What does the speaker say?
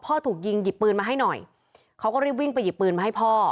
ถูกยิงหยิบปืนมาให้หน่อยเขาก็รีบวิ่งไปหยิบปืนมาให้พ่อ